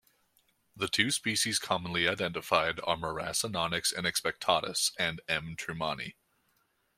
The two species commonly identified are Miracinonyx inexpectatus and M. trumani.